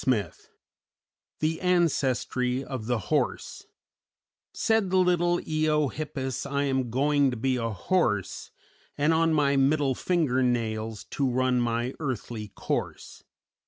] IX THE ANCESTRY OF THE HORSE "_Said the little Eohippus I am going to be a horse And on my middle finger nails To run my earthly course.